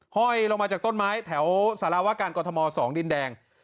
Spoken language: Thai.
ห้อยลงมาจากต้นไม้แถวสารวการกรทม๒ดินแดง